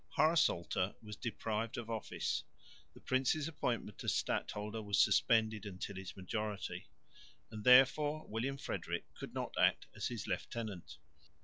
Haersolte was deprived of office; the prince's appointment as stadholder was suspended until his majority; and therefore William Frederick could not act as his lieutenant.